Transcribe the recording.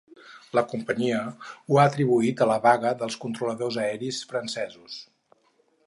La companyia ho ha atribuït a la vaga dels controladors aeris francesos.